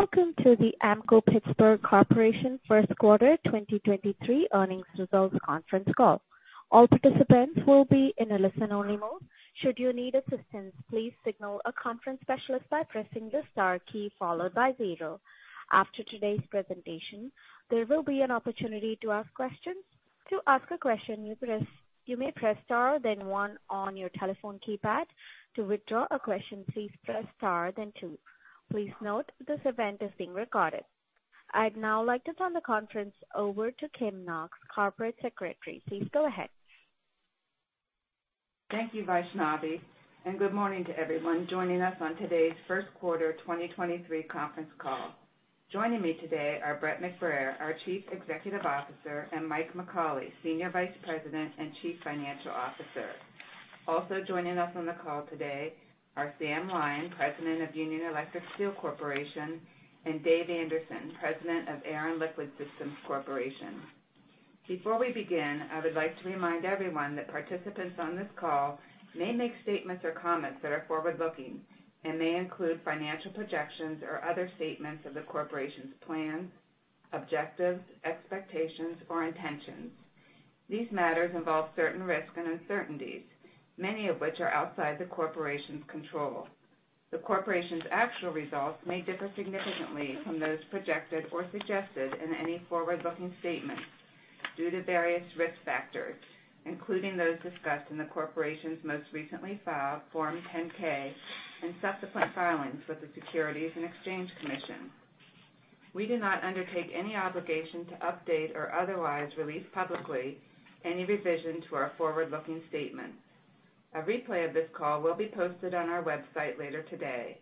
Welcome to the Ampco-Pittsburgh Corporation First Quarter 2023 Earnings Results Conference Call. All participants will be in a listen-only mode. Should you need assistance, please signal a conference specialist by pressing the star key followed by zero. After today's presentation, there will be an opportunity to ask questions. To ask a question, you may press star then one on your telephone keypad. To withdraw a question, please press star then two. Please note this event is being recorded. I'd now like to turn the conference over to Kim Knox, Corporate Secretary. Please go ahead. Thank you, Vaishnavi. Good morning to everyone joining us on today's First Quarter 2023 Conference Call. Joining me today are Brett McBrayer, our Chief Executive Officer, and Mike McAuley, Senior Vice President and Chief Financial Officer. Also joining us on the call today are Sam Lyon, President of Union Electric Steel Corporation, and Dave Anderson, President of Air and Liquid Systems Corporation. Before we begin, I would like to remind everyone that participants on this call may make statements or comments that are forward-looking and may include financial projections or other statements of the corporation's plans, objectives, expectations, or intentions. These matters involve certain risks and uncertainties, many of which are outside the corporation's control. The corporation's actual results may differ significantly from those projected or suggested in any forward-looking statements due to various risk factors, including those discussed in the corporation's most recently filed Form 10-K and subsequent filings with the Securities and Exchange Commission. We do not undertake any obligation to update or otherwise release publicly any revision to our forward-looking statement. A replay of this call will be posted on our website later today.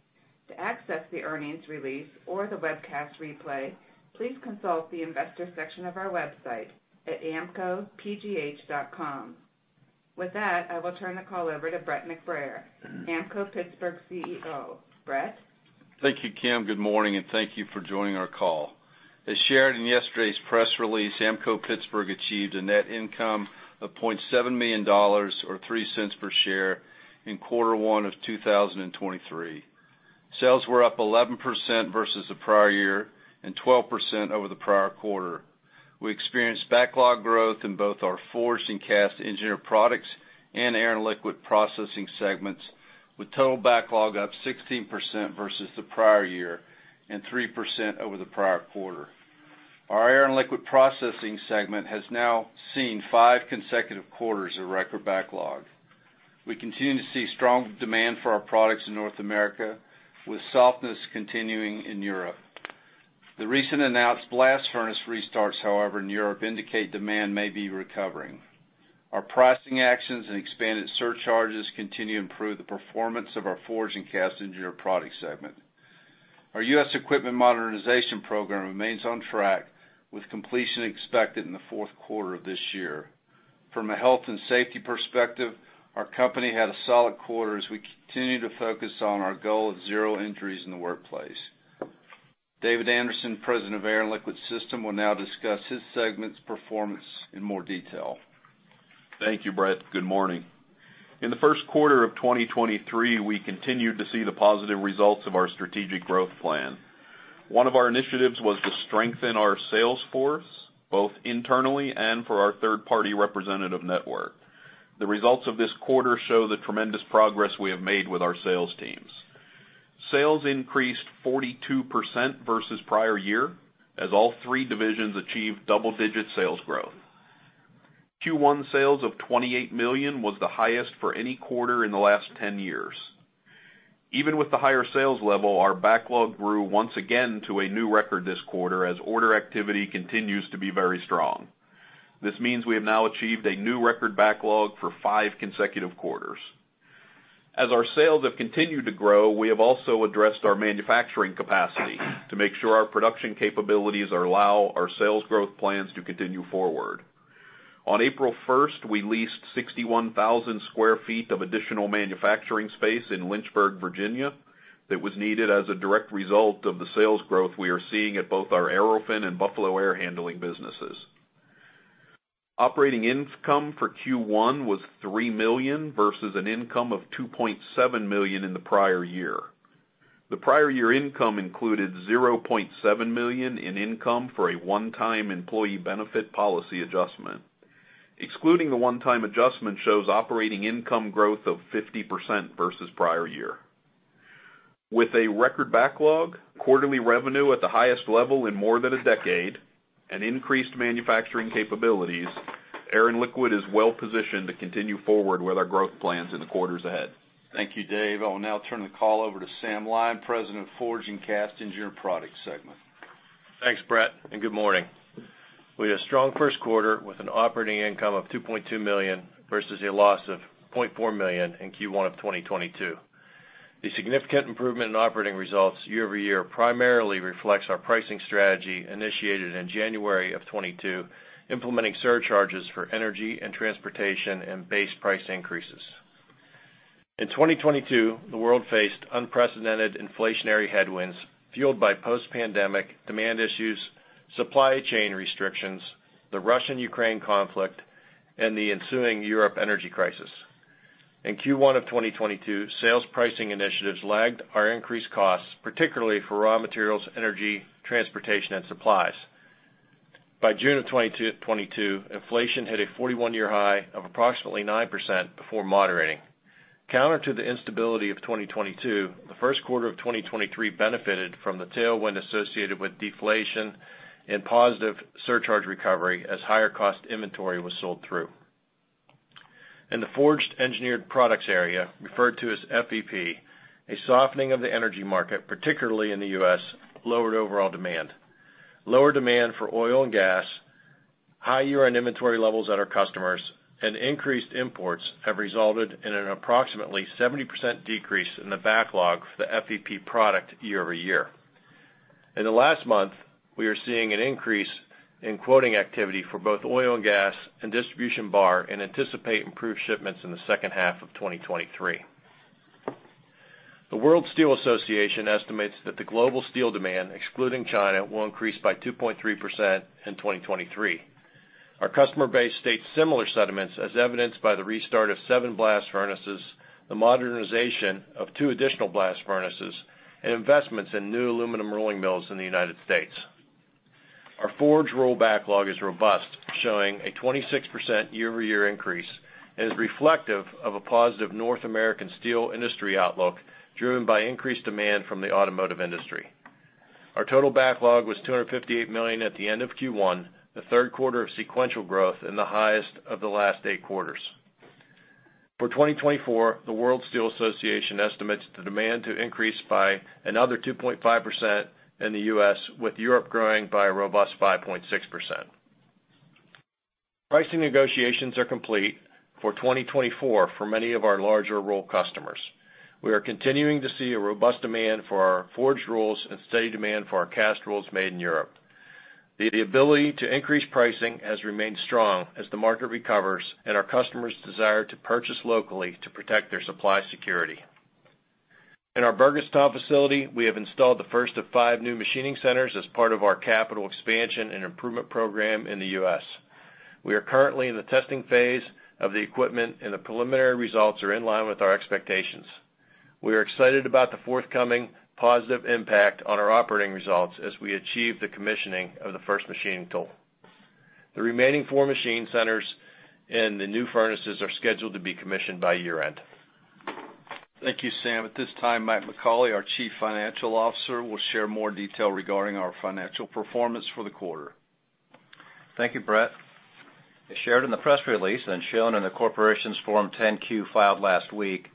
To access the earnings release or the webcast replay, please consult the investor section of our website at ampcopgh.com. With that, I will turn the call over to Brett McBrayer, Ampco-Pittsburgh CEO. Brett? Thank you, Kim. Good morning, and thank you for joining our call. As shared in yesterday's press release, Ampco-Pittsburgh achieved a net income of $0.7 million or $0.03 per share in quarter one of 2023. Sales were up 11% versus the prior year and 12% over the prior quarter. We experienced backlog growth in both our Forged and Cast Engineered Products and Air and Liquid Processing segments, with total backlog up 16% versus the prior year and 3% over the prior quarter. Our Air and Liquid Processing segment has now seen five consecutive quarters of record backlog. We continue to see strong demand for our products in North America, with softness continuing in Europe. The recent announced blast furnace restarts, however, in Europe indicate demand may be recovering. Our pricing actions and expanded surcharges continue to improve the performance of our Forged and Cast Engineered Products segment. Our U.S. equipment modernization program remains on track, with completion expected in the fourth quarter of this year. From a health and safety perspective, our company had a solid quarter as we continue to focus on our goal of zero injuries in the workplace. David Anderson, President of Air and Liquid Systems, will now discuss his segment's performance in more detail. Thank you, Brett. Good morning. In the first quarter of 2023, we continued to see the positive results of our strategic growth plan. One of our initiatives was to strengthen our sales force, both internally and for our third-party representative network. The results of this quarter show the tremendous progress we have made with our sales teams. Sales increased 42% versus prior year as all three divisions achieved double-digit sales growth. Q1 sales of $28 million was the highest for any quarter in the last 10 years. Even with the higher sales level, our backlog grew once again to a new record this quarter as order activity continues to be very strong. This means we have now achieved a new record backlog for five consecutive quarters. As our sales have continued to grow, we have also addressed our manufacturing capacity to make sure our production capabilities allow our sales growth plans to continue forward. On April 1st, we leased 61,000 sq ft of additional manufacturing space in Lynchburg, Virginia, that was needed as a direct result of the sales growth we are seeing at both our Aerofin and Buffalo Air Handling businesses. Operating income for Q1 was $3 million versus an income of $2.7 million in the prior year. The prior year income included $0.7 million in income for a one-time employee benefit policy adjustment. Excluding the one-time adjustment shows operating income growth of 50% versus prior year. With a record backlog, quarterly revenue at the highest level in more than a decade, and increased manufacturing capabilities, Air and Liquid is well positioned to continue forward with our growth plans in the quarters ahead. Thank you, Dave. I will now turn the call over to Sam Lyon, President of Forged and Cast Engineered Products segment. Thanks, Brett. Good morning. We had a strong first quarter with an operating income of $2.2 million versus a loss of $0.4 million in Q1 of 2022. The significant improvement in operating results year-over-year primarily reflects our pricing strategy initiated in January of 2022, implementing surcharges for energy and transportation and base price increases. In 2022, the world faced unprecedented inflationary headwinds fueled by post-pandemic demand issues, supply chain restrictions, the Russian-Ukraine conflict, and the ensuing Europe energy crisis. In Q1 of 2022, sales pricing initiatives lagged our increased costs, particularly for raw materials, energy, transportation, and supplies. By June of 2022, inflation hit a 41-year high of approximately 9% before moderating. Counter to the instability of 2022, the first quarter of 2023 benefited from the tailwind associated with deflation and positive surcharge recovery as higher cost inventory was sold through. In the Forged and Cast Engineered Products area, referred to as FEP, a softening of the energy market, particularly in the U.S., lowered overall demand. Lower demand for oil and gas, high year-end inventory levels at our customers, and increased imports have resulted in an approximately 70% decrease in the backlog for the FEP product year-over-year. In the last month, we are seeing an increase in quoting activity for both oil and gas and distribution bar, and anticipate improved shipments in the second half of 2023. The World Steel Association estimates that the global steel demand, excluding China, will increase by 2.3% in 2023. Our customer base states similar sentiments as evidenced by the restart of seven blast furnaces, the modernization of two additional blast furnaces, and investments in new aluminum rolling mills in the United States. Our forge roll backlog is robust, showing a 26% year-over-year increase, and is reflective of a positive North American steel industry outlook, driven by increased demand from the automotive industry. Our total backlog was $258 million at the end of Q1, the third quarter of sequential growth and the highest of the last eight quarters. For 2024, the World Steel Association estimates the demand to increase by another 2.5% in the U.S., with Europe growing by a robust 5.6%. Pricing negotiations are complete for 2024 for many of our larger roll customers. We are continuing to see a robust demand for our forged rolls and steady demand for our cast rolls made in Europe. The ability to increase pricing has remained strong as the market recovers and our customers desire to purchase locally to protect their supply security. In our Burgettstown facility, we have installed the first of five new machining centers as part of our capital expansion and improvement program in the U.S. We are currently in the testing phase of the equipment, and the preliminary results are in line with our expectations. We are excited about the forthcoming positive impact on our operating results as we achieve the commissioning of the first machining tool. The remaining four machine centers and the new furnaces are scheduled to be commissioned by year-end. Thank you, Sam. At this time, Mike McCauley, our Chief Financial Officer, will share more detail regarding our financial performance for the quarter. Thank you, Brett. As shared in the press release and shown in the corporation's Form 10-Q filed last week,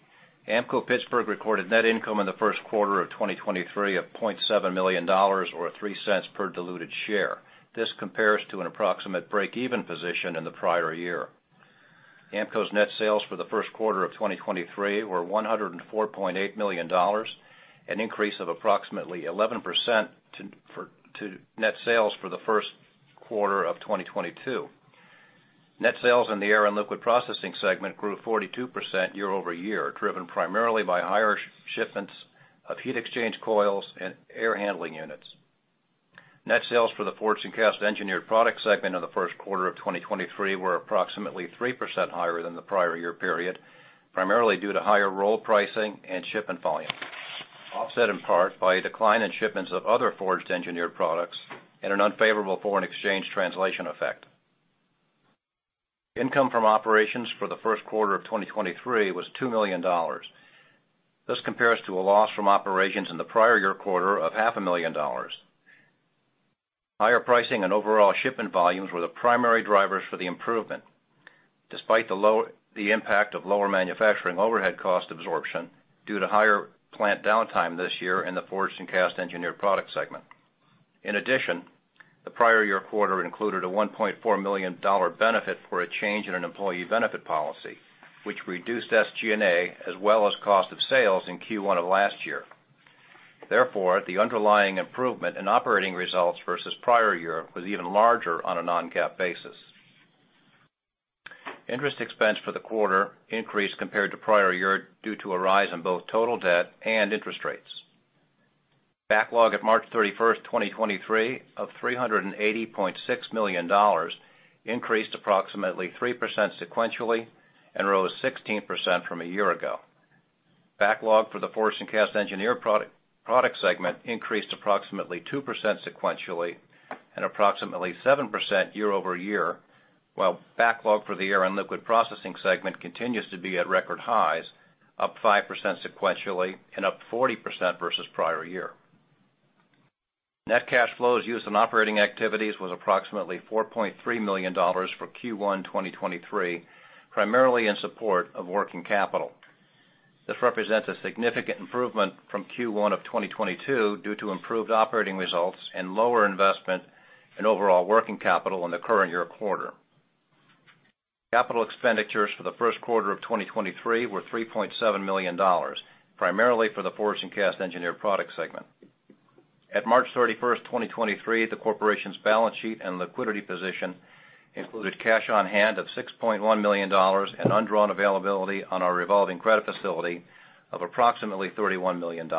Ampco-Pittsburgh recorded net income in the first quarter of 2023 of $0.7 million or $0.03 per diluted share. This compares to an approximate break-even position in the prior year. Ampco's net sales for the first quarter of 2023 were $104.8 million, an increase of approximately 11% to net sales for the first quarter of 2022. Net sales in the Air and Liquid Processing segment grew 42% year-over-year, driven primarily by higher shipments of heat exchange coils and air handling units. Net sales for the Forged and Cast Engineered Products segment in the first quarter of 2023 were approximately 3% higher than the prior year period, primarily due to higher roll pricing and shipment volume, offset in part by a decline in shipments of other forged engineered products and an unfavorable foreign exchange translation effect. Income from operations for the first quarter of 2023 was $2 million. This compares to a loss from operations in the prior year quarter of $0.5 million. Higher pricing and overall shipment volumes were the primary drivers for the improvement, despite the impact of lower manufacturing overhead cost absorption due to higher plant downtime this year in the Forged and Cast Engineered Products segment. In addition, the prior year quarter included a $1.4 million benefit for a change in an employee benefit policy, which reduced SG&A as well as cost of sales in Q1 of last year. Therefore, the underlying improvement in operating results versus prior year was even larger on a non-GAAP basis. Interest expense for the quarter increased compared to prior year due to a rise in both total debt and interest rates. Backlog at 31 March 2023, of $380.6 million increased approximately 3% sequentially and rose 16% from a year ago. Backlog for the Forged and Cast Engineered Product segment increased approximately 2% sequentially and approximately 7% year-over-year, while backlog for the Air and Liquid Processing segment continues to be at record highs, up 5% sequentially and up 40% versus prior year. Net cash flows used in operating activities was approximately $4.3 million for Q1 2023, primarily in support of working capital. This represents a significant improvement from Q1 of 2022 due to improved operating results and lower investment in overall working capital in the current year quarter. Capital expenditures for the first quarter of 2023 were $3.7 million, primarily for the Forged and Cast Engineered Product segment. At 31 March 2023, the corporation's balance sheet and liquidity position included cash on hand of $6.1 million and undrawn availability on our revolving credit facility of approximately $31 million.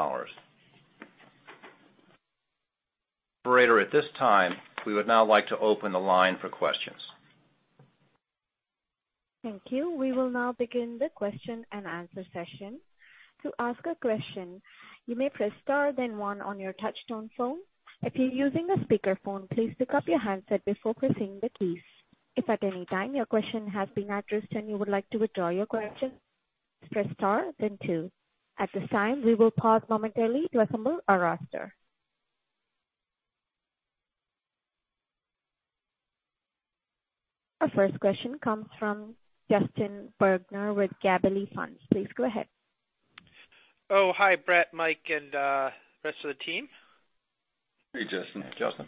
Operator, at this time, we would now like to open the line for questions. Thank you. We will now begin the question and answer session. To ask a question, you may press star then one on your touchtone phone. If you're using a speaker phone, please pick up your handset before pressing the keys. If at any time your question has been addressed and you would like to withdraw your question, press star then two. At this time, we will pause momentarily to assemble a roster. Our first question comes from Justin Bergner with Gabelli Funds. Please go ahead. Oh, hi, Brett, Mike, and, rest of the team. Hey, Justin. Justin.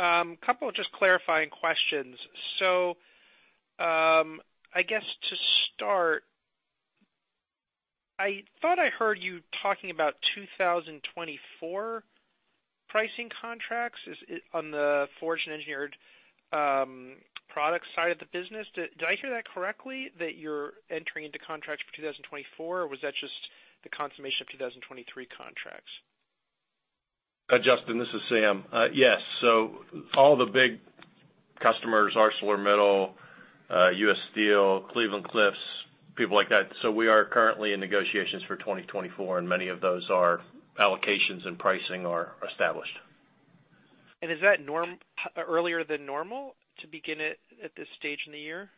A couple of just clarifying questions. I guess to start, I thought I heard you talking about 2024 pricing contracts on the Forged and Engineered product side of the business. I hear that correctly, that you're entering into contracts for 2024? Or was that just the consummation of 2023 contracts? Justin, this is Sam. Yes. All the big customers, ArcelorMittal, U.S. Steel, Cleveland-Cliffs, people like that. We are currently in negotiations for 2024, and many of those are allocations and pricing are established. Is that earlier than normal to begin it at this stage in the year?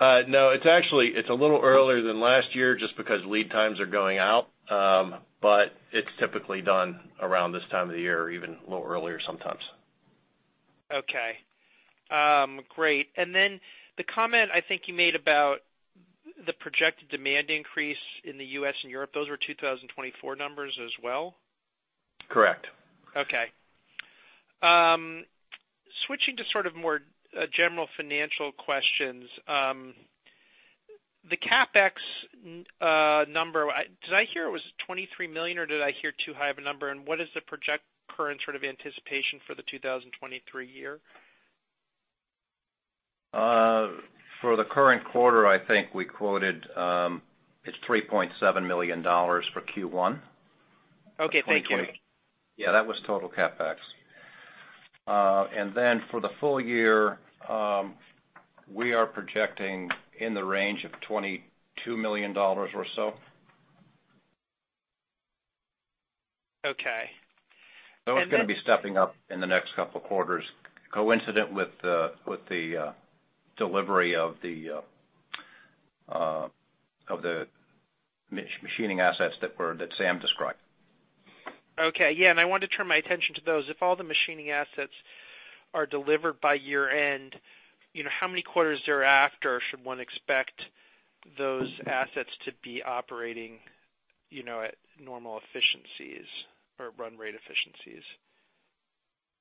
No. It's actually, it's a little earlier than last year just because lead times are going out. It's typically done around this time of the year or even a little earlier sometimes. Okay. great. The comment I think you made about the projected demand increase in the U.S. and Europe, those were 2024 numbers as well? Correct. Okay. Switching to sort of more general financial questions. The CapEx number, did I hear it was $23 million or did I hear too high of a number? What is the project current sort of anticipation for the 2023 year? For the current quarter, I think we quoted, it's $3.7 million for Q1. Okay. Thank you. Yeah. That was total CapEx. For the full year, we are projecting in the range of $22 million or so. Okay. That was gonna be stepping up in the next couple of quarters, coincident with the delivery of the machining assets that Sam described. Okay. Yeah. I want to turn my attention to those. If all the machining assets are delivered by year-end, you know, how many quarters thereafter should one expect those assets to be operating, you know, at normal efficiencies or run rate efficiencies?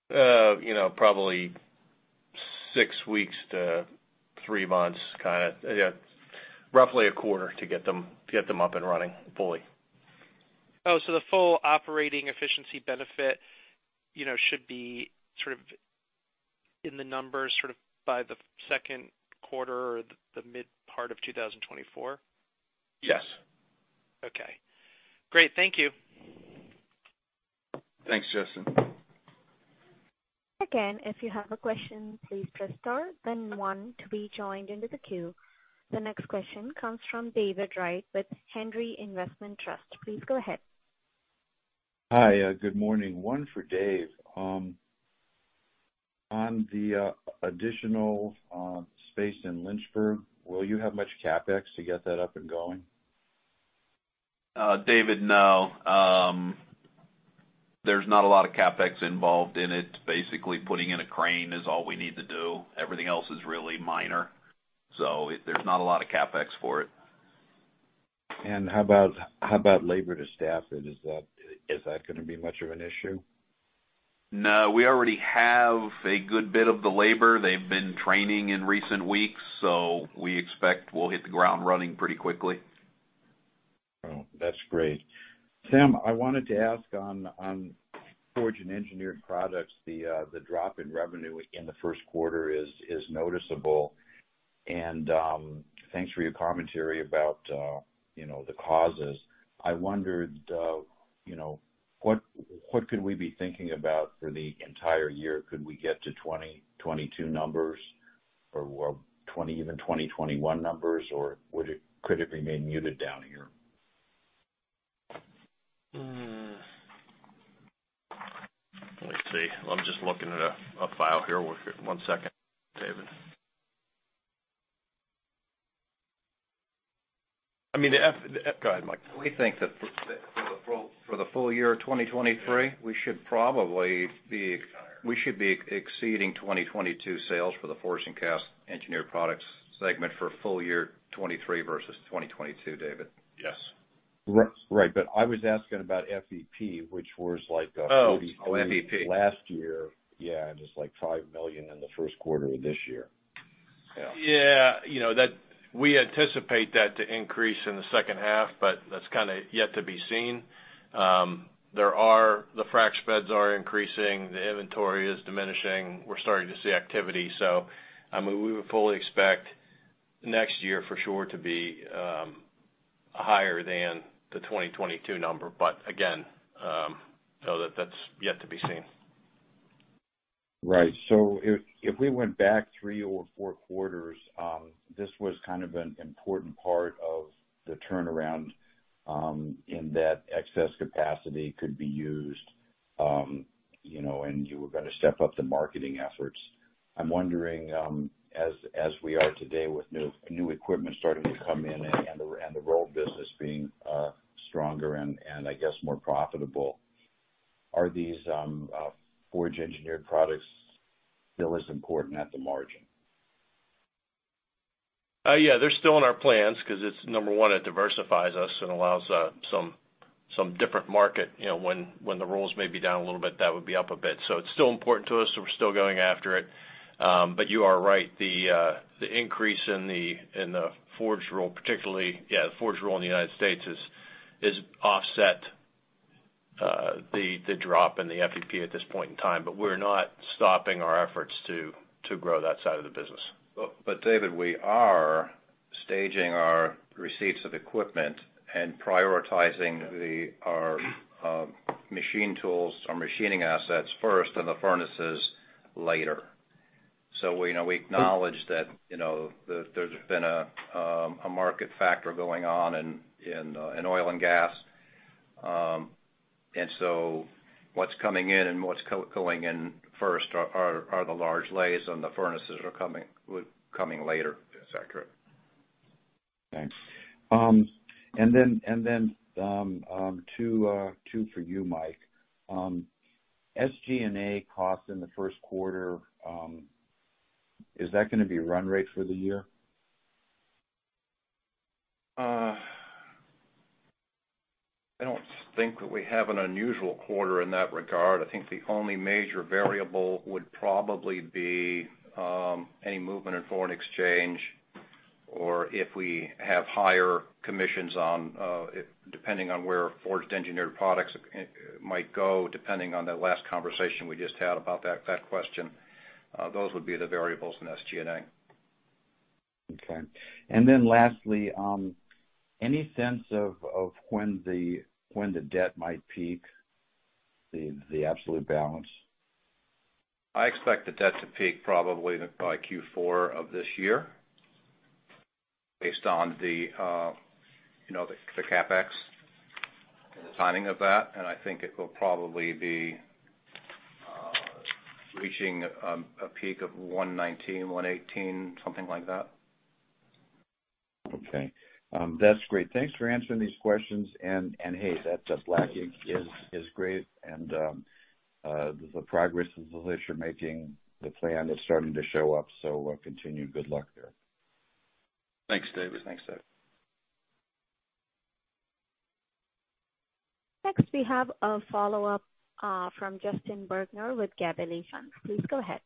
You know, probably six weeks to three months, kinda. Yeah, roughly a quarter to get them up and running fully. Oh, the full operating efficiency benefit, you know, should be sort of in the numbers sort of by the second quarter or the mid-part of 2024? Yes. Okay. Great. Thank you. Thanks, Justin. Again, if you have a question, please press star then one to be joined into the queue. The next question comes from David Wright with Henry Investment Trust. Please go ahead. Hi. good morning. One for Dave. on the additional space in Lynchburg, will you have much CapEx to get that up and going? David, no. There's not a lot of CapEx involved in it. Basically, putting in a crane is all we need to do. Everything else is really minor. There's not a lot of CapEx for it. How about labor to staff it? Is that gonna be much of an issue? We already have a good bit of the labor. They've been training in recent weeks, so we expect we'll hit the ground running pretty quickly. Oh, that's great. Sam, I wanted to ask on Forged and Engineered Products, the drop in revenue in the first quarter is noticeable. Thanks for your commentary about, you know, the causes. I wondered, you know, what could we be thinking about for the entire year? Could we get to 2022 numbers or even 2021 numbers, or could it remain muted down here? Let me see. I'm just looking at a file here. One second, David. I mean, Go ahead, Mike. We think that for the full year 2023, we should be exceeding 2022 sales for the Forged and Cast Engineered Products segment for full year 2023 versus 2022, David. Yes. Right. I was asking about FEP, which was like. Oh. Oh, FEP. last year. Yeah, just like $5 million in the first quarter of this year. You know that we anticipate that to increase in the second half. That's kinda yet to be seen. The frac spreads are increasing, the inventory is diminishing. We're starting to see activity. I mean, we would fully expect next year for sure to be. Higher than the 2022 number. Again, that's yet to be seen. Right. If we went back three or four quarters, this was kind of an important part of the turnaround, in that excess capacity could be used, you know, and you were gonna step up the marketing efforts. I'm wondering, as we are today with new equipment starting to come in and the roll business being stronger and I guess more profitable, are these, Forged Engineered Products still as important at the margin? Yeah, they're still in our plans 'cause number one, it diversifies us and allows some different market. You know, when the rolls may be down a little bit, that would be up a bit. It's still important to us, so we're still going after it. You are right. The increase in the forged roll particularly, yeah, the forged roll in the United States has offset the drop in the FEP at this point in time. We're not stopping our efforts to grow that side of the business. David, we are staging our receipts of equipment and prioritizing our machine tools or machining assets first and the furnaces later. we, you know, we acknowledge that, you know, there's been a market factor going on in oil and gas. what's coming in and what's going in first are the large lathes and the furnaces are coming later. That's accurate. Thanks. Two for you, Mike. SG&A costs in the first quarter, is that gonna be run rate for the year? I don't think that we have an unusual quarter in that regard. I think the only major variable would probably be any movement in foreign exchange or if we have higher commissions on, depending on where Forged Engineered Products it might go, depending on the last conversation we just had about that question. Those would be the variables in SG&A. Okay. then lastly, any sense of when the debt might peak, the absolute balance? I expect the debt to peak probably by Q4 of this year, based on the, you know, the CapEx and the timing of that. I think it will probably be reaching a peak of $119 million or $118 million, something like that. Okay. That's great. Thanks for answering these questions and hey, that, the black ink is great and, the progress you're making, the plan is starting to show up, continued good luck there. Thanks, David. Thanks, David. Next, we have a follow-up, from Justin Bergner with Gabelli Funds. Please go ahead.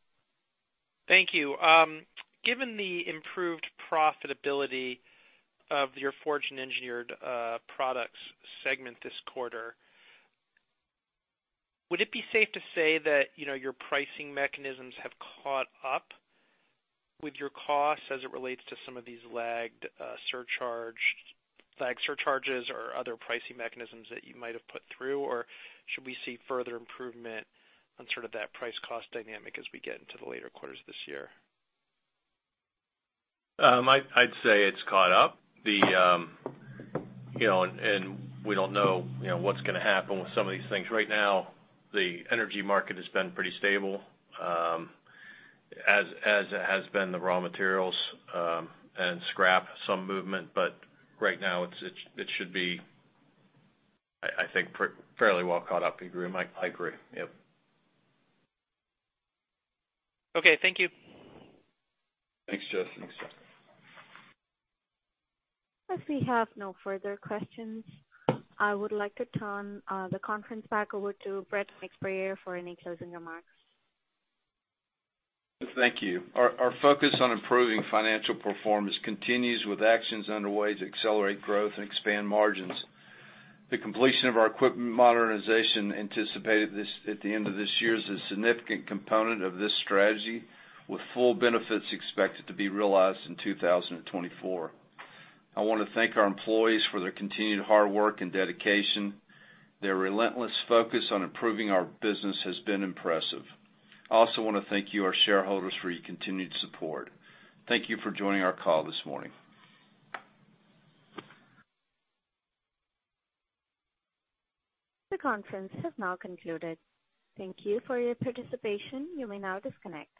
Thank you. Given the improved profitability of your Forged and Engineered Products segment this quarter, would it be safe to say that, you know, your pricing mechanisms have caught up with your costs as it relates to some of these lagged surcharges or other pricing mechanisms that you might have put through? Or should we see further improvement on sort of that price cost dynamic as we get into the later quarters this year? I'd say it's caught up. The, you know, and we don't know, you know, what's gonna happen with some of these things. Right now, the energy market has been pretty stable, as has been the raw materials, and scrap, some movement, but right now it should be, I think, fairly well caught up. You agree, Mike? I agree. Yep. Okay. Thank you. Thanks, Justin. Thanks, Justin. As we have no further questions, I would like to turn the conference back over to Brett McBrayer for any closing remarks. Thank you. Our focus on improving financial performance continues with actions underway to accelerate growth and expand margins. The completion of our equipment modernization anticipated at the end of this year is a significant component of this strategy, with full benefits expected to be realized in 2024. I wanna thank our employees for their continued hard work and dedication. Their relentless focus on improving our business has been impressive. I also wanna thank you, our shareholders, for your continued support. Thank you for joining our call this morning. The conference has now concluded. Thank you for your participation. You may now disconnect.